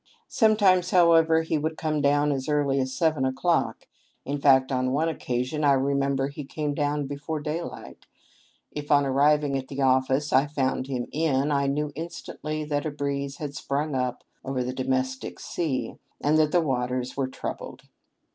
Sometimes, however, he would come down as early as seven o'clock — in fact, on one occasion I remember he came down THE LIFE OF LINCOLN. 431 before daylight. If, on arriving at the office, I found him in, I knew instantly that a breeze had sprung up over the domestic sea, and that the waters were troubled.